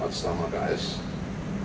kemudian juga kita jadikan tetangga